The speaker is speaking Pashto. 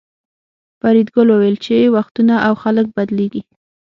فریدګل وویل چې وختونه او خلک بدلیږي